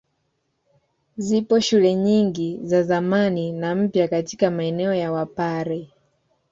Zipo shule nyingi za zamani na mpya katika maeneo ya Wapare